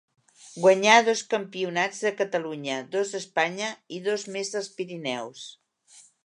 Guanyà dos campionats de Catalunya, dos d'Espanya i dos més dels Pirineus.